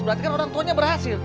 berarti kan orang tuanya berhasil